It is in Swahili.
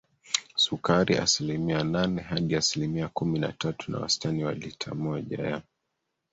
sukari asilimia nane hadi asilimia kumi na tatu na wastani wa lita moja ya